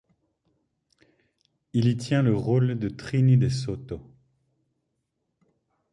Il y tient le rôle de Trini DeSoto.